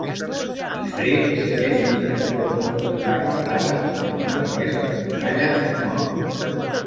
Guifré segueix lluitant contra els atacs àrabs i en una d'aquestes batalles mor.